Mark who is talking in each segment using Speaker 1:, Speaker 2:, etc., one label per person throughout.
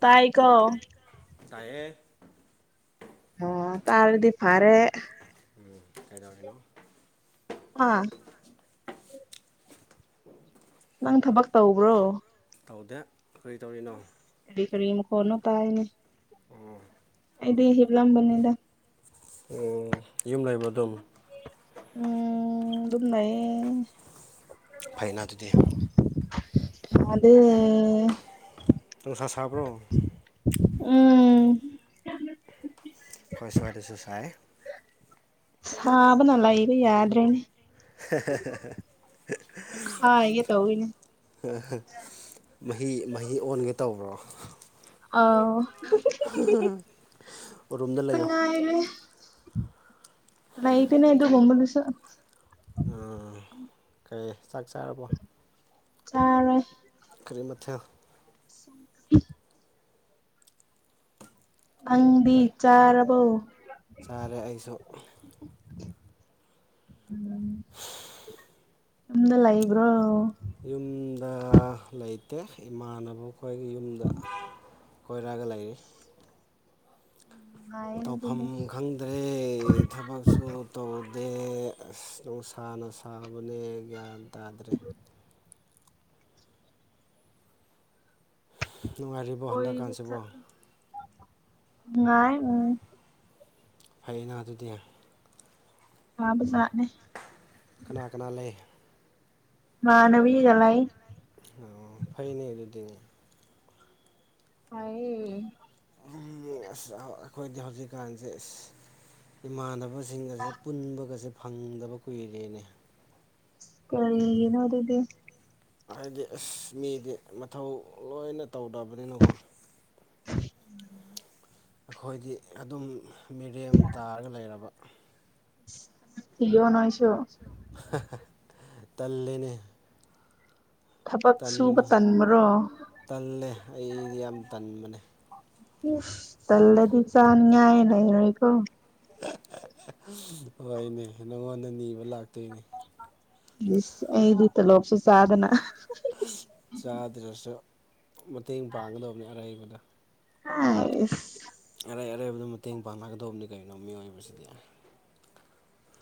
Speaker 1: ꯇꯥꯏꯒꯣ
Speaker 2: ꯇꯥꯢꯌꯦ
Speaker 1: ꯑꯣ ꯇꯥꯔꯗꯤ ꯐꯔꯦ
Speaker 2: ꯎꯝ ꯀꯩꯗꯧꯔꯝꯃꯤꯅꯣ
Speaker 1: ꯍꯥ ꯅꯪ ꯊꯕꯛ ꯇꯧꯕ꯭ꯔꯣ
Speaker 2: ꯇꯧꯗꯦ ꯀꯔꯤ ꯇꯧꯔꯤꯅꯣ
Speaker 1: ꯀꯔꯤ ꯀꯔꯤ ꯃꯈꯣꯠꯅꯣ ꯇꯥꯏꯅꯦ
Speaker 2: ꯑꯣ
Speaker 1: ꯑꯩꯗꯤ ꯍꯤꯞꯂꯝꯕꯅꯤꯗ
Speaker 2: ꯑꯣ ꯌꯨꯝ ꯂꯩꯕꯔꯣ ꯑꯗꯨꯝ
Speaker 1: ꯎꯝ ꯑꯗꯨꯝ ꯂꯩꯌꯦ
Speaker 2: ꯐꯩꯅ ꯑꯗꯨꯗꯤ
Speaker 1: ꯁꯥꯗꯦ
Speaker 2: ꯅꯨꯡꯁꯥ ꯁꯕ꯭ꯔꯣ
Speaker 1: ꯎꯝ
Speaker 2: ꯑꯩꯈꯣꯏ ꯁꯋꯥꯏꯗꯁꯨ ꯁꯥꯏ
Speaker 1: ꯁꯥꯕꯅ ꯂꯩꯕ ꯌꯥꯗ꯭ꯔꯦꯅꯦ ꯄꯣꯛꯈꯥꯏꯒꯦ ꯇꯧꯋꯤꯅꯦ
Speaker 2: [unintelligible] ꯃꯍꯤ ꯃꯍꯤ ꯑꯣꯟꯒꯦ ꯇꯧꯕ꯭ꯔꯣ
Speaker 1: ꯑꯧ
Speaker 2: ꯎꯔꯨꯝꯗ ꯂꯩꯌꯣ
Speaker 1: ꯍꯥꯏꯔꯦ ꯂꯩꯕꯅꯦ ꯑꯗꯨꯀꯨꯝꯕꯗꯨꯁꯨ
Speaker 2: ꯑꯥ ꯀꯩ ꯆꯥꯛ ꯆꯥꯔꯕꯣ
Speaker 1: ꯆꯥꯔꯣꯢ
Speaker 2: ꯀꯔꯤ ꯃꯥꯊꯦꯜ
Speaker 1: ꯁ [inaudible] ꯅꯪꯗꯤ
Speaker 2: ꯀꯔꯤ
Speaker 1: ꯆꯥꯔꯕꯣ
Speaker 2: ꯆꯥꯔꯦ ꯑꯩꯁꯨ
Speaker 1: ꯎꯝ ꯌꯨꯝꯗ ꯂꯩꯕ꯭ꯔꯣ
Speaker 2: ꯌꯨꯝꯗ ꯂꯩꯇꯦ ꯏꯃꯥꯟꯅꯕ ꯑꯩꯈꯣꯏꯒꯤ ꯌꯨꯝꯗ ꯀꯣꯏꯔꯒ ꯂꯩꯌꯦ
Speaker 1: ꯅꯨꯡꯉꯥꯏꯌꯦꯅꯦ
Speaker 2: ꯇꯧꯐꯝ
Speaker 1: ꯑꯗꯨꯗꯤ
Speaker 2: ꯈꯪ ꯈꯪꯗꯦ ꯊꯕꯛꯁꯨ ꯇꯧꯗꯦ ꯑꯁ ꯅꯨꯡꯁꯥꯅ ꯁꯥꯕꯅꯦ ꯒ꯭ꯌꯥꯟ ꯇꯥꯗ꯭ꯔꯦ ꯅꯨꯡꯉꯥꯏꯔꯤꯕꯣ
Speaker 1: [inaudible]
Speaker 2: ꯍꯟꯗꯛꯀꯥꯟꯁꯤꯕꯣ
Speaker 1: ꯅꯨꯡꯉꯥꯏ ꯎꯝ
Speaker 2: ꯐꯩꯌꯦꯅ ꯑꯗꯨꯗꯤ
Speaker 1: ꯋꯕꯥꯖꯠꯅꯤ
Speaker 2: ꯀꯅꯥ ꯀꯅꯥ ꯂꯩ
Speaker 1: ꯢꯃꯥꯅꯕꯤꯒ ꯂꯩ
Speaker 2: ꯑꯣ ꯐꯩꯅꯦ ꯑꯗꯨꯗꯤ
Speaker 1: ꯇꯥꯢꯌꯦ
Speaker 2: ꯑꯁ ꯑꯩꯈꯣꯏꯗꯤ ꯍꯧꯖꯤꯛꯀꯥꯟꯁꯦ ꯑꯁ ꯏꯃꯥꯟꯅꯕ ꯁꯤꯡꯒꯁꯦ ꯄꯨꯟꯕꯒꯁꯦ ꯐꯪꯗꯕ ꯀꯨꯏꯔꯦꯅꯦ
Speaker 1: ꯀꯔꯤꯒꯤꯅ‌ꯣ ꯑꯗꯨꯗꯤ
Speaker 2: ꯍꯥꯏꯗꯤ ꯑꯁ ꯃꯤꯗꯤ ꯃꯊꯧ ꯂꯣꯏꯅ ꯇꯧꯗꯕꯅꯤꯅꯀꯣ
Speaker 1: [inaudible]
Speaker 2: ꯑꯈꯣꯏꯗꯤ ꯑꯗꯨꯝ ꯃꯤꯔꯦꯝ ꯇꯥꯔꯒ ꯂꯩꯔꯕ
Speaker 1: ꯊꯤꯌ‌ꯣ ꯅꯣꯏꯁꯨ
Speaker 2: ꯇꯜꯂꯦ ꯅꯦ
Speaker 1: ꯊꯕꯛ ꯁꯨꯕ
Speaker 2: ꯇꯟꯃ
Speaker 1: ꯇꯟꯕ꯭ꯔꯣ
Speaker 2: ꯇꯜꯂꯦ ꯑꯩꯗꯤ ꯌꯥꯝ ꯇꯟꯕꯅꯦ
Speaker 1: ꯏꯁ ꯇꯜꯂꯗꯤ ꯆꯥꯅꯤꯉꯥꯏ ꯂꯩ ꯔꯣꯏꯀꯣ
Speaker 2: ꯍꯣꯏꯅꯦ ꯅꯪꯉꯣꯟꯗ ꯅꯤꯕ ꯂꯥꯛꯇꯣꯏꯅꯦ
Speaker 1: ꯗꯤꯁ ꯑꯩꯗꯤ ꯇ‌ꯣꯂ‌ꯣꯞ ꯁꯨ ꯆꯥꯗꯅ
Speaker 2: ꯆꯥꯗ꯭ꯔꯁꯨ ꯃꯇꯦꯡ ꯄꯥꯡꯒꯗꯧꯕꯅ‌ꯦ ꯑꯔꯩꯕꯗ‌
Speaker 1: ꯑꯥꯏꯁ
Speaker 2: ꯑꯔꯩ ꯑꯔꯩꯕꯗ ꯃꯇꯦꯡ ꯄꯥꯡꯅꯒꯗꯧꯕꯅ‌ꯦ ꯀꯅꯣ ꯃꯤꯑꯣꯏꯕꯁꯤꯗꯤ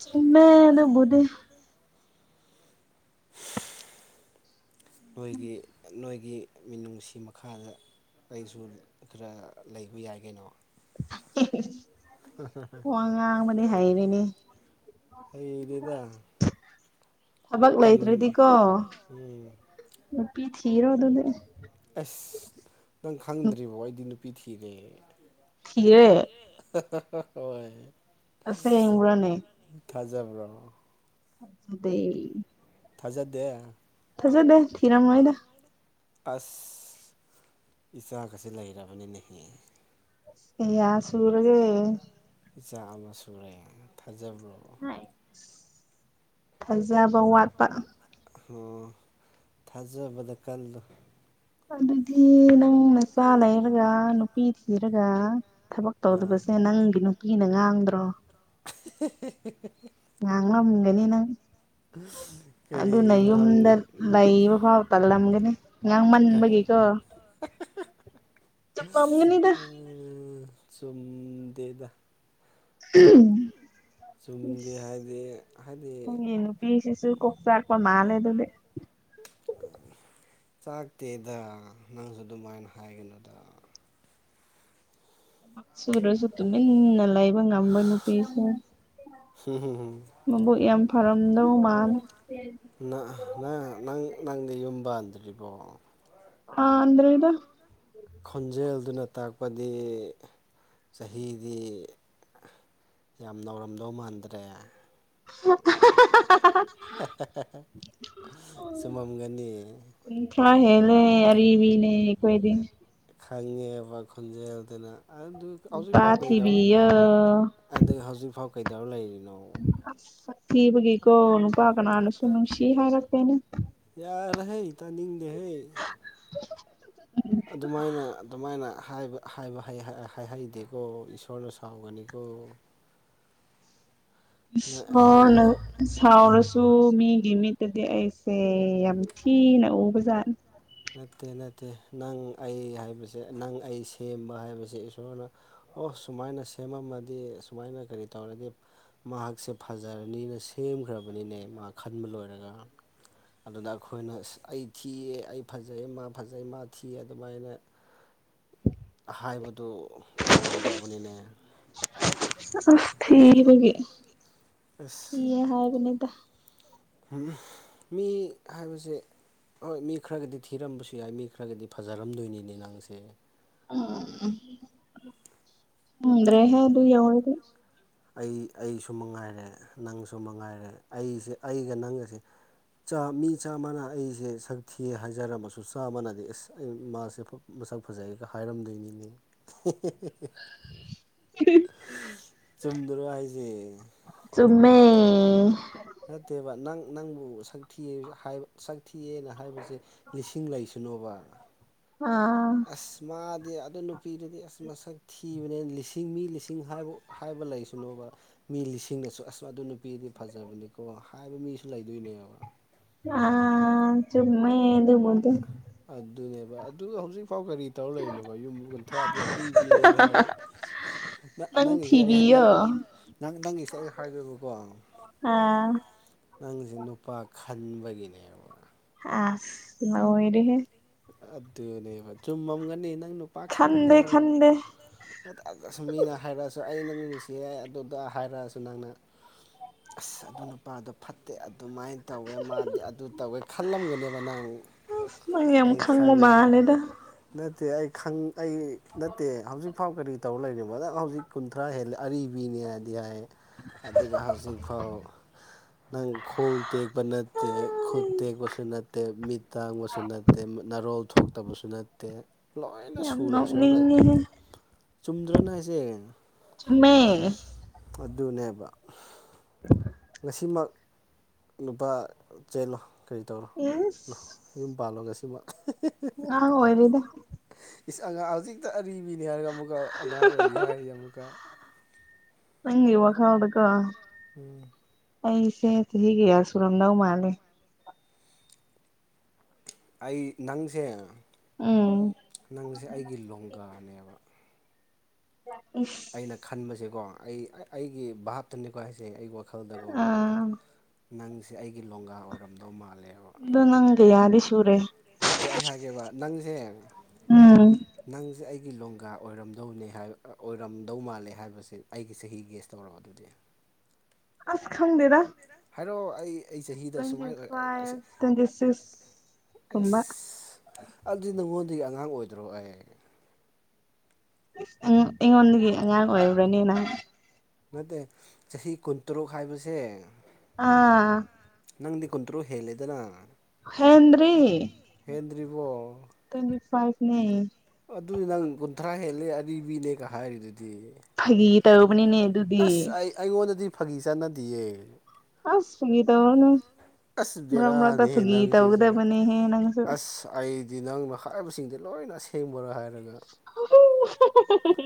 Speaker 1: ꯆꯨꯝꯃꯦ ꯑꯗꯨꯕꯨꯗꯤ
Speaker 2: ꯅꯣꯏꯒꯤ ꯅꯣꯏꯒꯤ ꯃꯤꯅꯨꯡꯁꯤ ꯃꯈꯥꯗ ꯑꯩꯁꯨ ꯈꯔ ꯂꯩꯕ ꯌꯥꯏ ꯀꯩꯅꯣ
Speaker 1: ꯋꯥ ꯉꯥꯡꯕꯗꯤ ꯍꯩꯔꯦꯅꯦ
Speaker 2: [inaudible] ꯍꯩꯗꯤꯗ
Speaker 1: ꯊꯕꯛ ꯂꯩꯇ꯭ꯔꯗꯤꯀꯣ
Speaker 2: ꯎꯝ
Speaker 1: ꯅꯨꯄꯤ ꯊꯤꯔꯣ ꯑꯗꯨꯗꯤ
Speaker 2: ꯑꯁ ꯅꯪ ꯈꯪꯗ꯭ꯔꯤꯕꯣ ꯑꯩꯗꯤ ꯅꯨꯄꯤ ꯊꯤꯔꯦ
Speaker 1: ꯊꯤꯔ‌ꯦ
Speaker 2: ꯍꯣꯏ
Speaker 1: ꯑꯁꯦꯡꯕ꯭ꯔꯅꯦ
Speaker 2: ꯊꯖꯕ꯭ꯔꯣ
Speaker 1: ꯊꯖꯗ‌ꯦ
Speaker 2: ꯊꯖꯗꯦ
Speaker 1: ꯊꯤꯔꯝꯃꯣꯏꯗ
Speaker 2: ꯑꯁ ꯏꯆꯥꯒꯖ‌ꯦ ꯂꯩꯔꯕꯅꯤꯅꯦ ꯍ‌ꯦ
Speaker 1: ꯀꯌꯥ ꯁꯨꯔꯒꯦ
Speaker 2: ꯏꯆꯥꯥ ꯑꯃꯥ ꯁꯨꯔꯦ ꯊꯥꯖꯕ꯭ꯔꯣ
Speaker 1: [unintelligible] ꯊꯥꯖꯕ ꯋꯥꯠꯄ
Speaker 2: ꯑꯣ ꯊꯥꯖꯕꯗ ꯀꯜꯂ‌ꯣ
Speaker 1: ꯑꯗꯨꯗꯤ ꯅꯪ ꯅꯆꯥ ꯂꯩꯔꯒ ꯅꯨꯄꯤ ꯊꯤꯔꯒ ꯊꯕꯛ
Speaker 2: ꯑꯥ
Speaker 1: ꯇꯧꯗꯕꯁꯦ ꯅꯪꯒꯤ ꯅꯨꯄꯤꯅ ꯉꯥꯡꯗ꯭ꯔꯣ
Speaker 2: [unintelligible]
Speaker 1: ꯉꯥꯡ ꯉꯝꯒꯅꯤ ꯅꯪ ꯑꯗꯨꯅ
Speaker 2: ꯀꯔꯤꯒꯤ ꯉꯥꯡ
Speaker 1: ꯌꯨꯝꯗ ꯂꯩꯕ ꯐꯥꯎ ꯇꯜꯂꯝꯒꯅꯤ ꯉꯥꯡ ꯃꯟꯕꯒꯤꯀꯣ
Speaker 2: ꯑꯥ ꯆꯨꯝꯗꯦꯗ ꯆꯨꯝꯗ‌ꯦ ꯍꯥꯏꯗꯤ ꯍꯥꯏꯗꯤ
Speaker 1: ꯑꯩꯁꯤꯁꯨ ꯀꯣꯛ ꯆꯥꯛꯄ ꯃꯥꯜꯂ‌ꯦ ꯑꯗꯨꯗꯤ
Speaker 2: ꯆꯥꯛꯇꯦꯗ ꯅꯪꯁꯨ ꯑꯗꯨꯃꯥꯏꯅ ꯍꯥꯏꯒꯅꯣꯗ
Speaker 1: ꯁꯨꯗꯔ꯭ꯁꯨ ꯇꯨꯃꯤꯟꯅ ꯂꯩꯕ ꯉꯝꯕ ꯅꯨꯄꯤꯁꯦ
Speaker 2: [unintelligible]
Speaker 1: ꯃꯕꯨꯛ ꯌꯥꯝ ꯐꯔꯝꯗꯧ ꯃꯥꯜꯂꯦ
Speaker 2: ꯅ ꯅꯪ ꯅꯪ ꯅꯪꯗꯤ ꯌꯨꯝ ꯄꯥꯟꯗ꯭ꯔꯤꯕꯣ
Speaker 1: ꯄꯥꯟꯗ꯭ꯔꯤꯗ
Speaker 2: ꯈꯣꯟꯖꯦꯜꯗꯨꯅ ꯇꯥꯛꯄꯗꯤ ꯆꯍꯤꯗꯤ ꯌꯥꯝ ꯅꯧꯔꯝꯗꯧ ꯃꯟꯗ꯭ꯔꯦ
Speaker 1: [unintelligible]
Speaker 2: ꯁꯨꯃꯝꯒꯅꯤ
Speaker 1: ꯀꯨꯟꯇꯔꯥ ꯍꯦꯂꯦ ꯑꯔꯤꯕꯤꯅꯦ ꯑꯩꯈꯣꯏꯗꯤ
Speaker 2: ꯈꯪꯉꯦꯕ ꯈꯣꯟꯖꯦꯜꯗꯅ ꯑꯗꯨ
Speaker 1: ꯅꯨꯄꯥ ꯊꯤꯕꯤꯌꯣ
Speaker 2: ꯑꯗꯩ ꯍꯧꯖꯤꯛꯐꯥꯎ ꯀꯩꯗꯧꯔ ꯂꯩꯔꯤꯅꯣ
Speaker 1: ꯊꯤꯕꯒꯤꯀꯣ ꯅꯨꯄꯥ ꯀꯥꯅꯁꯨ ꯅꯨꯡꯁꯤ ꯍꯥꯏꯔꯛꯇꯦꯅꯦ
Speaker 2: ꯌꯥꯔꯍꯩ ꯇꯥꯅꯤꯡꯗꯦꯍꯦ
Speaker 1: [unintelligible]
Speaker 2: ꯑꯗꯨꯃꯥꯏꯅ ꯑꯗꯨꯃꯥꯏꯅ ꯍꯥꯏꯕ ꯍꯥꯏꯍꯩꯗꯦꯀꯣ ꯏꯁꯣꯔꯅ ꯁꯥꯎꯒꯅꯤꯀꯣ [unintelligible] ꯅꯪ
Speaker 1: ꯏꯁ
Speaker 2: ꯑꯩꯈꯣꯏ
Speaker 1: ꯏꯁꯣ ꯁꯥꯎꯔꯁꯨ ꯃꯤꯒꯤ ꯃꯤꯠꯇꯗꯤ ꯑꯩꯁꯦ ꯌꯥꯝ ꯊꯤꯅ ꯎꯕꯖꯥꯠꯅꯤ
Speaker 2: ꯅꯠꯇꯦ ꯅꯠꯇꯦ ꯅꯪ ꯑꯩ ꯍꯥꯏꯕꯁꯦ ꯅꯪ ꯑꯩ ꯁꯦꯝꯕ ꯍꯥꯏꯕꯁꯦ ꯏꯁꯣꯔꯅ ꯑꯣ ꯁꯨꯃꯥꯏꯅ ꯁꯦꯝꯃꯝꯃꯗꯤ ꯑꯨꯃꯥꯏꯅ ꯀꯔꯤ ꯇꯧꯔꯗꯤ ꯃꯍꯥꯛꯁꯦ ꯐꯖꯔꯅꯤꯅ ꯁꯦꯝꯈ꯭ꯔꯕꯅꯤꯅꯦ ꯃꯥ ꯈꯟꯕ ꯂꯣꯏꯔꯒ ꯑꯗꯨꯗ ꯑꯩꯈꯣꯏꯅ ꯑꯩ ꯊꯤꯌꯦ ꯑꯩ ꯐꯖꯩ ꯃꯥ ꯐꯖꯩ ꯃꯥ ꯊꯤ ꯑꯗꯨꯃꯥꯏꯅ ꯍꯥꯏꯕꯗꯨ ꯇꯧꯔꯣꯏ ꯗꯧꯕꯅꯤꯅꯦ
Speaker 1: ꯑꯁ ꯊꯤ ꯍꯒꯦ
Speaker 2: ꯑꯁ
Speaker 1: ꯊꯤꯌꯦ ꯍꯥꯏꯕꯅꯦꯗ
Speaker 2: ꯃꯤ ꯍꯥꯏꯕꯁꯦ ꯍꯣꯏ ꯃꯤ ꯈꯔꯒꯗꯤ ꯊꯤꯔꯝꯕꯁꯨ ꯌꯥꯏ ꯃꯤ ꯈꯔꯒꯗꯤ ꯐꯖꯔꯝꯗꯣꯏꯅꯤꯅꯦ ꯅꯪꯁꯦ
Speaker 1: ꯎ ꯈꯡꯗ꯭ꯔꯦ ꯍꯦ ꯑꯗꯨ ꯌꯧꯔꯗꯤ
Speaker 2: ꯑꯩ ꯑꯩꯁꯨ ꯃꯉꯥꯏꯔꯦ ꯅꯪꯁꯨ ꯃꯉꯥꯏꯔꯦ ꯑꯩꯁꯦ ꯑꯩꯒ ꯅꯪꯒꯁꯦ ꯆꯥ ꯃꯤ ꯆꯥꯝꯃꯅ ꯑꯩꯁꯦ ꯁꯛ ꯊꯤꯑ ꯍꯥꯏꯖꯔꯝꯃꯁꯨ ꯆꯥꯝꯃꯅꯗꯤ ꯑꯁ ꯑꯩ ꯃꯥꯁꯦ ꯃꯁꯛ ꯐꯖꯩꯒ ꯍꯥꯏꯔꯝꯗꯣꯏꯅꯤꯅꯦ ꯆꯨꯝꯗ꯭ꯔꯣ ꯍꯥꯏꯁꯦ
Speaker 1: ꯆꯨꯝꯃꯦ
Speaker 2: ꯅꯠꯇꯦꯕ ꯅꯪ ꯅꯪꯕꯨꯛ ꯁꯛ ꯊꯤꯌꯦ ꯍꯥꯏꯕ ꯁꯛꯊꯤꯑꯅ ꯍꯥꯏꯕꯁꯦ ꯂꯤꯁꯤꯡ ꯂꯩꯁꯅꯣꯕ
Speaker 1: ꯑꯥ
Speaker 2: ꯑꯁ ꯃꯥꯗꯤ ꯑꯗꯨ ꯅꯨꯄꯤꯗꯨꯗꯤ ꯑꯁ ꯃꯁꯛ ꯊꯤ ꯀꯤꯕꯅꯦꯅ ꯂꯤꯁꯤꯡ ꯃꯤ ꯂꯤꯁꯤꯡ ꯍꯥꯏꯕ ꯍꯥꯏꯕ ꯂꯩꯁꯅꯣꯕ ꯃꯤ ꯂꯤꯁꯤꯡꯅꯁꯨ ꯑꯁ ꯑꯗꯨ ꯅꯨꯄꯤꯗꯤ ꯐꯖꯕꯅꯤꯀꯣ ꯍꯥꯏꯕ ꯃꯤꯁꯨ ꯂꯩꯗꯣꯏꯅꯦꯕ
Speaker 1: ꯑ ꯆꯨꯝꯃꯦ ꯑꯗꯨꯕꯨꯗꯤ
Speaker 2: ꯑꯗꯨꯅꯦꯕ ꯑꯗꯨꯒ ꯍꯧꯖꯤꯛꯐꯥꯎ ꯀꯔꯤ ꯇꯧꯔ ꯂꯩꯔꯤꯅꯣꯕ ꯌꯨꯝ ꯀꯨꯟꯊ꯭ꯔꯥꯗꯤ ꯑꯔꯤꯕꯅꯦꯗꯤ ꯍꯥꯏꯔꯦ
Speaker 1: ꯅꯪ
Speaker 2: ꯅꯪꯒꯤꯁꯦ ꯑꯩ
Speaker 1: ꯊꯤꯕꯤꯌꯣ
Speaker 2: ꯅꯪ ꯅꯪꯒꯤꯁꯦ ꯑꯩ ꯍꯥꯏꯈꯦꯕꯀꯣ
Speaker 1: ꯑꯥ
Speaker 2: ꯅꯪꯁꯦ ꯅꯨꯄꯥ ꯈꯟꯕꯒꯤꯅꯦꯕ
Speaker 1: ꯑꯁ ꯉꯥꯑꯣꯏꯔꯦꯍꯦ
Speaker 2: ꯑꯗꯨꯅꯦꯕ ꯆꯨꯝꯃꯝꯒꯅꯤ ꯅꯪ ꯅꯨꯄꯥ
Speaker 1: ꯈꯟꯗꯦ
Speaker 2: ꯈꯜꯂꯦꯕ
Speaker 1: ꯈꯟꯗꯦ
Speaker 2: [unintelligible] ꯃꯤꯅ ꯍꯥꯏꯔꯛꯑꯁꯨ ꯑꯩ ꯅꯪ ꯅꯨꯡꯁꯤꯌꯦ ꯑꯗꯨꯗ ꯍꯥꯏꯔꯛꯑꯁꯨ ꯅꯪꯅ ꯑꯁ ꯑꯗꯨ ꯅꯨꯄꯥꯗꯣ ꯐꯠꯇꯦ ꯑꯗꯨꯃꯥꯏꯅ ꯇꯧꯋꯦ ꯃꯥꯗꯤ ꯑꯗꯨ ꯇꯧꯋꯦ ꯈꯜꯂꯝꯒꯅꯦꯕ ꯅꯪ
Speaker 1: ꯑꯁ ꯅꯪ ꯌꯥꯝ
Speaker 2: ꯑꯩ
Speaker 1: ꯈꯪꯕ
Speaker 2: ꯈꯪꯉꯦ
Speaker 1: ꯃꯥꯂꯦꯗ
Speaker 2: ꯅꯠꯇꯦ ꯑꯩ ꯈꯪ ꯑꯩ ꯅꯠꯇꯦ ꯍꯧꯖꯤꯛꯐꯥꯎ ꯀꯔꯤ ꯇꯧꯔ ꯂꯩꯔꯤꯅꯣ ꯅꯪ ꯍꯧꯖꯤꯛ ꯀꯨꯟꯊ꯭ꯔꯥ ꯍꯦꯜꯂꯦ ꯑꯔꯤꯕꯤꯅꯦ ꯍꯥꯏꯗꯤ ꯍꯥꯏ ꯑꯗꯨꯒ ꯍꯧꯖꯤꯛꯐꯥꯎ ꯅꯪ ꯈꯣꯡ ꯇꯦꯛꯄ ꯅꯠꯇꯦ ꯈꯨꯠ ꯇꯦꯛꯄꯁꯨ ꯅꯠꯇꯦ ꯃꯤꯠ ꯇꯥꯡꯕꯁꯨ ꯅꯠ ꯅꯔꯣꯜ ꯊꯣꯛꯇꯕꯁꯨ ꯅꯠꯇꯦ ꯂꯣꯏꯅ
Speaker 1: ꯌꯥꯝ
Speaker 2: ꯁꯨꯅ ꯏꯁꯣꯔꯅ
Speaker 1: ꯅꯣꯛꯅꯤꯡꯉꯦꯍꯦ
Speaker 2: ꯆꯨꯝꯗ꯭ꯔꯥꯅꯦ ꯍꯥꯏꯁꯦ
Speaker 1: ꯆꯨꯝꯃꯦ
Speaker 2: ꯑꯗꯨꯅꯦꯕ
Speaker 1: [inaudible]
Speaker 2: ꯉꯁꯤꯃꯛ ꯅꯨꯄꯥ ꯆꯦꯜꯂꯣ ꯀꯔꯤ ꯇꯧꯔꯣ
Speaker 1: ꯏꯁ
Speaker 2: ꯌꯨꯝ ꯄꯥꯜꯂꯣ ꯉꯁꯤꯃꯛ
Speaker 1: ꯑꯉꯥꯡ ꯑꯣꯏꯔꯤꯗ
Speaker 2: ꯏꯁ ꯑꯉꯥꯡ ꯍꯧꯖꯤꯛꯇꯥ ꯑꯔꯤꯕꯅꯤ ꯍꯥꯏꯔꯒ ꯑꯃꯨꯛꯀꯥ ꯑꯉꯥꯡ ꯑꯣꯏꯔꯤ ꯍꯥꯏꯔꯤ ꯑꯃꯨꯛꯀꯥ
Speaker 1: ꯅꯪꯒꯤ ꯋꯥꯈꯜꯗꯥꯀꯣ
Speaker 2: ꯎꯝ
Speaker 1: ꯑꯩꯁꯦ ꯆꯍꯤ ꯀꯌꯥ ꯁꯨꯔꯝꯗꯧ ꯃꯥꯜꯂꯤ
Speaker 2: ꯑꯩ ꯅꯪꯁꯦ
Speaker 1: ꯎꯝ
Speaker 2: ꯅꯪꯁꯦ ꯑꯩꯒꯤ ꯂꯣꯡꯒꯥꯅꯦꯕ
Speaker 1: ꯏꯁ
Speaker 2: ꯑꯩꯅ ꯈꯟꯕꯁꯦꯀꯣ ꯑꯩ ꯑꯩꯒꯤ ꯚꯥꯞꯇꯅꯤꯀꯣ ꯍꯥꯏꯁꯦ ꯑꯩꯒꯤ ꯋꯥꯈꯜꯗꯀꯣ
Speaker 1: ꯑꯥ
Speaker 2: ꯅꯪꯁꯦ ꯑꯩꯒꯤ ꯂꯣꯡꯒꯥ ꯑꯣꯏꯔꯝꯗꯧ ꯃꯥꯜꯂꯦꯕ
Speaker 1: ꯑꯗꯨ ꯅꯪ ꯀꯌꯥꯗꯤ ꯁꯨꯔꯦ
Speaker 2: ꯅꯠꯇꯦ ꯑꯩ ꯍꯥꯏꯒꯦꯕ ꯅꯪꯁꯦ
Speaker 1: ꯎꯝ
Speaker 2: ꯅꯪꯖꯦ ꯑꯩꯒꯤ ꯂꯣꯡꯒꯥ ꯑꯣꯏꯔꯝꯗꯧꯅꯦ ꯍꯥꯏ ꯑꯣꯏꯔꯝꯗꯧ ꯃꯥꯜꯂꯦ ꯍꯥꯏꯕꯁꯦ ꯑꯩꯒꯤ ꯆꯍꯤ ꯒꯦꯁ ꯇꯧꯔꯣ ꯑꯗꯨꯗꯤ
Speaker 1: ꯑꯁ ꯈꯪꯗꯦꯗ
Speaker 2: ꯍꯥꯏꯔꯣ ꯑꯩ ꯑꯩ ꯆꯍꯤꯗ
Speaker 1: ꯇ꯭ꯋꯦꯟꯇꯤ
Speaker 2: ꯁꯨꯃꯥꯏꯅ ꯑꯣꯏꯔꯛ
Speaker 1: ꯐꯥꯏꯚ ꯇ꯭ꯋꯦꯟꯇꯤ ꯁꯤꯛꯁ
Speaker 2: ꯏꯁ
Speaker 1: ꯀꯨꯝꯕ
Speaker 2: ꯑꯗꯨ ꯅꯪꯉꯣꯟꯗꯒꯤ ꯑꯉꯥꯡ ꯑꯣꯏꯗ꯭ꯔꯣ ꯑꯩ
Speaker 1: ꯑꯩꯉꯣꯟ ꯑꯩꯉꯣꯟꯗꯒꯤ ꯑꯉꯥꯡ ꯑꯣꯏꯕ꯭ꯔꯥꯅꯤ ꯅꯪ
Speaker 2: ꯅꯠꯇꯦ ꯆꯍꯤ ꯀꯨꯟꯇꯔꯨꯛ ꯍꯥꯏꯕꯁꯦ
Speaker 1: ꯑꯥ
Speaker 2: ꯅꯪꯗꯤ ꯀꯨꯟꯇ꯭ꯔꯨꯛ ꯍꯦꯜꯂꯦꯗꯅ
Speaker 1: ꯍꯦꯟꯗ꯭ꯔꯤ
Speaker 2: ꯍꯦꯟꯗ꯭ꯔꯤꯕꯣ
Speaker 1: ꯇ꯭ꯋꯦꯟꯇꯤ ꯐꯥꯏꯚꯅꯦ
Speaker 2: ꯑꯗꯨ ꯅꯪ ꯀꯨꯟꯊ꯭ꯔꯥ ꯍꯦꯜꯂꯦ ꯑꯔꯤꯕꯅꯦꯒ ꯍꯥꯏꯔꯤꯗꯨꯗꯤ
Speaker 1: ꯐꯥꯒꯤ ꯇꯧꯕꯅꯤꯅꯦ ꯑꯗꯨꯗꯤ
Speaker 2: ꯑꯁ ꯑꯩ ꯑꯩꯉꯣꯟꯗꯗꯤ ꯐꯥꯒꯤ ꯆꯥꯠꯅꯗꯤꯌꯦ
Speaker 1: ꯑꯁ ꯐꯥꯒꯤ ꯇꯧꯔꯅꯨ
Speaker 2: ꯑꯁ
Speaker 1: ꯃꯔꯛ ꯃꯔꯛꯇꯥ
Speaker 2: ꯕꯦꯔꯥꯅꯤꯍꯦ
Speaker 1: ꯐꯥꯒꯤ
Speaker 2: ꯅꯪꯁꯤꯁꯨ
Speaker 1: ꯇꯧꯒꯗꯕꯅꯤꯍꯦ ꯅꯪꯁꯨ
Speaker 2: ꯑꯁ ꯑꯩꯗꯤ ꯅꯪꯅ ꯍꯥꯏꯕꯁꯤꯡꯗꯣ ꯂꯣꯏꯅ ꯑꯁꯦꯡꯕꯔꯥ ꯍꯥꯏꯔꯒ
Speaker 1: ꯍꯝ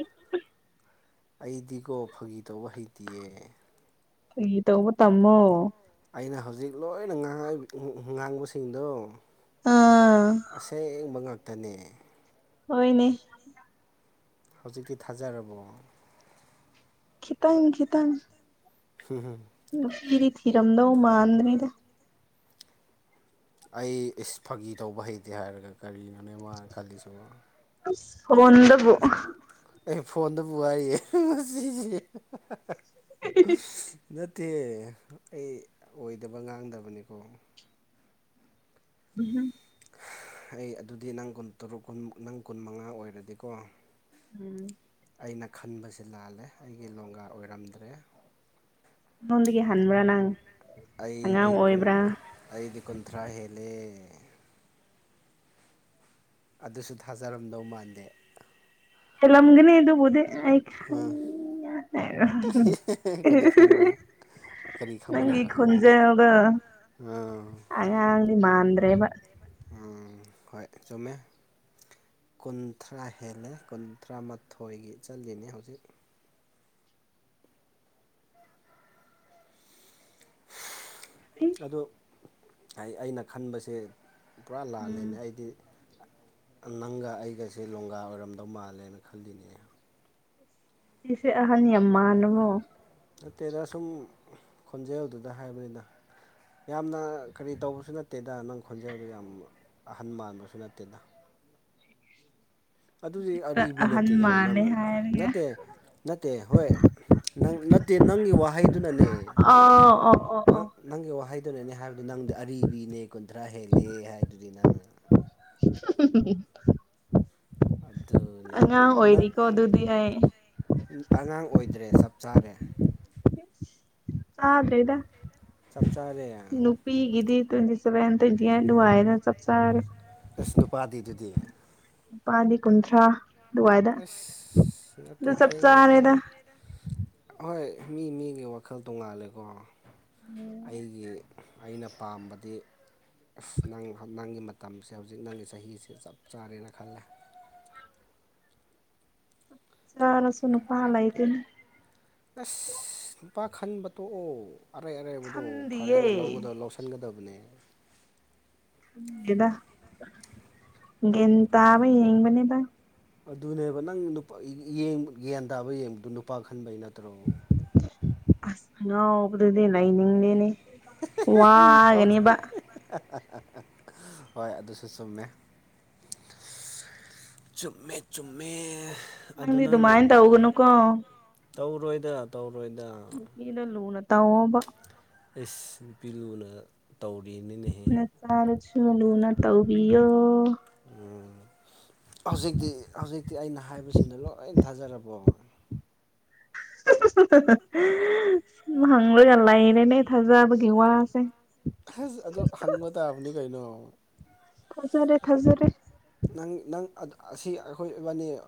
Speaker 2: ꯑꯩꯗꯤꯀꯣ ꯐꯥꯒꯤ ꯇꯧꯕ ꯍꯩꯇꯤꯌꯦ
Speaker 1: ꯐꯥꯒꯤ ꯇꯧꯕ ꯇꯝꯃꯣ
Speaker 2: ꯑꯩꯅ ꯍꯧꯖꯤꯛ ꯂꯣꯏꯅ ꯉꯥꯡꯏ ꯉꯥꯡꯕꯁꯤꯡꯗꯣ
Speaker 1: ꯑꯥ
Speaker 2: ꯑꯁꯦꯡꯕ ꯉꯥꯛꯇꯅꯦ
Speaker 1: ꯍꯣꯏꯅꯦ
Speaker 2: ꯍꯧꯖꯤꯛꯇꯤ ꯊꯥꯖꯔꯕꯣ
Speaker 1: ꯈꯤꯇꯪ ꯈꯤꯇꯪ
Speaker 2: ꯍꯝ ꯍꯝ
Speaker 1: ꯅꯨꯄꯤꯗꯤ ꯊꯤꯔꯃꯗꯧ ꯃꯥꯥꯟꯗꯦꯗ
Speaker 2: ꯑꯩ ꯏꯁ ꯐꯥꯒꯤ ꯇꯧꯕ ꯍꯩꯇꯦ ꯍꯥꯏꯔꯒ ꯀꯔꯤꯅꯣꯅꯦ ꯃꯥꯅ ꯈꯜꯂꯤꯁꯤꯕꯣ
Speaker 1: ꯑꯁ ꯐꯣꯟꯗꯕꯨ
Speaker 2: ꯑꯩ ꯐꯣꯟꯗꯕꯨ ꯍꯥꯏꯔꯤꯑꯦ ꯃꯁꯤꯗꯤ ꯅꯠꯇꯦ ꯑꯩ ꯑꯣꯏꯗꯕ ꯉꯥꯡꯗꯕꯅꯤꯀꯣ
Speaker 1: ꯎꯝꯍꯨꯝ
Speaker 2: ꯑꯩ ꯑꯗꯨꯗꯤ ꯅꯪ ꯀꯨꯟ ꯇꯔꯨꯛ ꯀꯨꯟ ꯅꯪ ꯀꯨꯟ ꯃꯉꯥ ꯑꯣꯏꯔꯗꯤꯀꯣ
Speaker 1: ꯎꯝ
Speaker 2: ꯑꯩꯅ ꯈꯟꯕꯁꯦ ꯂꯥꯜꯂꯦ ꯑꯩꯒꯤ ꯂꯣꯡꯒꯥ ꯑꯣꯏꯔꯝꯗ꯭ꯔꯦ
Speaker 1: ꯑꯩꯉꯣꯟꯗꯒꯤ ꯍꯟꯕ꯭ꯔꯥ ꯅꯪ
Speaker 2: ꯑꯩꯗꯤ
Speaker 1: ꯑꯉꯥꯡ
Speaker 2: ꯀꯨꯟ
Speaker 1: ꯑꯣꯏꯕ꯭ꯔꯥ
Speaker 2: ꯑꯩꯗꯤ ꯀꯨꯟꯊ꯭ꯔꯥ ꯍꯦꯜꯂꯦ ꯑꯗꯨꯁꯨ ꯊꯥꯖꯔꯝꯗꯧ ꯃꯥꯟꯗꯦ
Speaker 1: ꯍꯦꯜꯂꯝꯒꯅꯤ ꯑꯗꯨꯕꯨꯗꯤ ꯑꯩ
Speaker 2: ꯀꯔꯤ ꯈꯪꯕ
Speaker 1: [unintelligible]
Speaker 2: ꯀꯔꯤ ꯈꯪꯕ
Speaker 1: ꯅꯪꯒꯤ
Speaker 2: ꯂꯩꯕ
Speaker 1: ꯈꯣꯟꯖꯦꯜꯗꯣ
Speaker 2: ꯑꯥ
Speaker 1: ꯑꯉꯥꯡꯗꯤ ꯃꯥꯟꯗ꯭ꯔꯦꯕ
Speaker 2: ꯑꯝ ꯍꯣꯏ ꯆꯨꯝꯃꯦ ꯀꯨꯟꯊ꯭ꯔꯥ ꯍꯦꯜꯂꯦ ꯀꯨꯟꯊ꯭ꯔꯥꯃꯥꯊꯣꯏ ꯆꯠꯂꯤꯅꯦ ꯍꯧꯖꯤꯛ ꯑꯗꯨ ꯑꯩꯅ ꯈꯟꯕꯁꯦ ꯄꯨꯔꯥ ꯂꯥꯜꯂꯦꯅꯦ
Speaker 1: ꯎꯝ
Speaker 2: ꯑꯩꯗꯤ ꯅꯪꯒ ꯑꯩꯒꯁꯦ ꯂꯣꯡꯒꯥ ꯑꯣꯏꯔꯝꯗꯧ ꯃꯥꯜꯂꯦꯅ ꯈꯜꯂꯤꯅꯦ
Speaker 1: ꯑꯩꯁꯦ ꯑꯍꯟ ꯌꯥꯝ ꯃꯥꯜꯂꯕꯣ
Speaker 2: ꯅꯠꯇꯦꯗ ꯁꯨꯝ ꯈꯣꯟꯖꯦꯜꯗꯨꯗ ꯍꯥꯏꯕꯅꯤꯗ ꯌꯥꯝꯅ ꯀꯔꯤ ꯇꯧꯕꯁꯨ ꯅꯠꯇꯦꯗ ꯅꯪ ꯈꯣꯟꯖꯦꯟꯗꯨ ꯌꯥꯝ ꯑꯍꯟ ꯃꯥꯟꯕꯁꯨ ꯅꯠꯇꯦꯗ ꯑꯗꯨꯗꯤ
Speaker 1: ꯍꯦꯛꯇ
Speaker 2: ꯑꯔꯤꯕꯤ
Speaker 1: ꯑꯍꯟ
Speaker 2: ꯅꯠꯇꯦ ꯀꯩꯅꯣ
Speaker 1: ꯃꯥꯜꯂꯦ
Speaker 2: ꯅꯪꯅ
Speaker 1: ꯍꯥꯏꯔꯒ
Speaker 2: ꯅꯠꯇꯦ ꯅꯠꯇꯦ ꯍꯣꯏ ꯅꯪ ꯅꯠꯇꯦ ꯅꯪꯒꯤ ꯋꯥꯍꯩꯗꯨꯅꯅꯦ
Speaker 1: ꯑꯣ ꯑꯥꯎ ꯑꯣ ꯑꯣ
Speaker 2: ꯅꯪ ꯅꯪꯒꯤ ꯋꯥꯍꯩꯗꯨꯅꯅꯦ ꯍꯥꯏꯕꯗꯨ ꯅꯪꯗꯤ ꯑꯔꯤꯕꯤꯅꯦ ꯀꯨꯟꯊ꯭ꯔꯥ ꯍꯦꯜꯂꯦ ꯍꯥꯏꯗꯨꯗꯤ ꯅꯪꯅ
Speaker 1: ꯑꯉꯥꯡ
Speaker 2: ꯑꯗꯨꯅꯦꯕ ꯅꯪ
Speaker 1: ꯑꯣꯏꯔꯤꯀꯣ ꯑꯗꯨꯗꯤ ꯑꯩ
Speaker 2: ꯑꯉꯥꯡ ꯑꯣꯏꯗ꯭ꯔꯦ ꯆꯞ ꯆꯥꯔꯦ
Speaker 1: ꯆꯥꯗ꯭ꯔꯦꯗ
Speaker 2: ꯆꯞ ꯆꯥꯔꯦ
Speaker 1: ꯅꯨꯞ ꯅꯨꯄꯤꯒꯤꯗꯤ ꯇ꯭ꯋꯦꯟꯇꯤ ꯁꯦꯕꯦꯟ ꯇ꯭ꯋꯦꯟꯇꯤ ꯑꯦꯠ ꯑꯗꯨꯋꯥꯏꯗ ꯆꯞꯆꯥꯔꯦ
Speaker 2: ꯑꯁ ꯅꯨꯄꯥꯗꯤ ꯑꯗꯨꯗꯤ
Speaker 1: ꯅꯨꯨꯄꯥꯗꯤ ꯀꯨꯟꯊ꯭ꯔꯥ ꯑꯗꯨꯋꯥꯏꯗ
Speaker 2: ꯑꯁ ꯅꯠꯇꯦ
Speaker 1: ꯑꯗꯨ ꯆꯞ
Speaker 2: ꯊꯦꯡꯉꯦ
Speaker 1: ꯆꯥꯔꯦꯗ
Speaker 2: ꯊꯦꯡꯉꯦ ꯍꯣꯏ ꯃꯤ ꯃꯤꯒꯤ ꯋꯥꯈꯜ ꯇꯣꯡꯉꯥꯜꯂꯦꯀꯣ ꯑꯩꯒꯤ ꯑꯩꯅ ꯄꯥꯝꯕꯗꯤ ꯅꯪ ꯅꯪꯒꯤ ꯃꯇꯝꯁꯦ ꯍꯧꯖꯤꯛ ꯅꯪꯒꯤ ꯆꯍꯤꯁꯦ ꯆꯞ ꯆꯥꯔꯦꯅ ꯈꯜꯂꯦ
Speaker 1: ꯆꯥꯔꯁꯨ ꯅꯨꯄꯥ ꯂꯩꯇꯦꯅꯦ
Speaker 2: ꯑꯁ ꯅꯨꯄꯥ ꯈꯟꯕ ꯇꯣꯛꯑꯣ ꯑꯔꯩ ꯑꯔꯩꯕꯗꯣ
Speaker 1: ꯈꯟꯗꯤꯌꯦ
Speaker 2: ꯐꯔꯦꯅ ꯂꯧꯒꯗꯕ ꯂꯧꯁꯤꯜ ꯈꯟꯒꯗꯕꯅꯦ
Speaker 1: ꯒꯦꯗ ꯒꯤꯟ ꯇꯕ ꯌꯦꯡꯕꯅꯦꯗ
Speaker 2: ꯑꯗꯨꯅꯦꯕ ꯅꯪ ꯌꯦ ꯒ꯭ꯌꯥꯟ ꯇꯥꯕ ꯌꯦꯡꯕꯗꯨ ꯅꯨꯄꯥ ꯈꯟꯕꯩ ꯅꯠꯇ꯭ꯔꯣ
Speaker 1: ꯑꯁ ꯑꯉꯥꯎꯕꯗꯨꯗꯤ ꯂꯩꯅꯤꯡꯗꯅꯦ ꯋꯥꯒꯅꯦꯕ
Speaker 2: ꯍꯣꯏ ꯑꯗꯨꯁꯨ ꯆꯨꯝꯃꯦ ꯆꯨꯝꯃꯦ ꯆꯨꯝꯃꯦ ꯑꯗꯨ
Speaker 1: ꯅꯪꯗꯤ
Speaker 2: ꯅꯪꯅ
Speaker 1: ꯑꯗꯨꯃꯥꯏꯅ ꯇꯧꯒꯅꯨꯀꯣ
Speaker 2: ꯇꯧꯔꯣꯏꯗ ꯇꯧꯔꯣꯏꯗ
Speaker 1: ꯅꯨꯄꯤꯗꯣ ꯂꯨꯅ ꯇꯧꯑꯣꯕ
Speaker 2: ꯑꯩꯁ ꯅꯨꯄꯤ ꯂꯨꯅ ꯇꯧꯔꯤꯅꯤꯅꯦꯍꯦ
Speaker 1: ꯆꯥꯔꯁꯨ ꯂꯨꯅ ꯇꯧꯕꯤꯌꯣ
Speaker 2: ꯎꯝ ꯍꯧꯖꯤꯛꯇꯤ ꯍꯧꯖꯤꯛꯇꯤ ꯑꯩꯅ ꯍꯥꯏꯕꯁꯤꯗꯣ ꯂꯣꯏ ꯊꯥꯖꯔꯕꯣ
Speaker 1: ꯍꯪꯂꯒ ꯂꯩꯔꯦꯅꯦ ꯊꯥꯖꯕꯒꯤ ꯋꯥꯁꯦ
Speaker 2: ꯑꯁ ꯑꯗꯨ ꯍꯪꯕ ꯇꯥꯕꯅꯤ ꯀꯥꯏꯅꯣ
Speaker 1: ꯊꯖꯔꯦ ꯊꯖꯔꯦ
Speaker 2: ꯅꯪ ꯅꯪ ꯑꯁꯤ ꯑꯩꯈꯣꯏꯕꯅꯤ